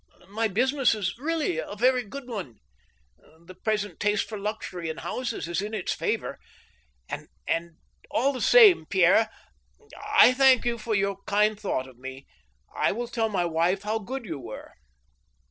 My business is really a good one. The pres ent taste for luxury in houses is in its favor. ... All the same. Pierre, I thank you for your kind thought of me. I will tell my wife how good you were."